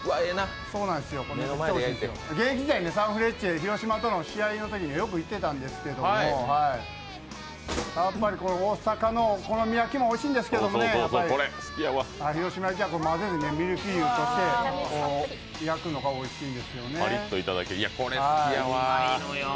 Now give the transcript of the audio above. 現役時代にサンフレッチェ広島のときもよく行ってたんですけど大阪のお好み焼きもおいしいんですけど、広島焼きはミルフィーユ状で焼くのがおいしいんですよね。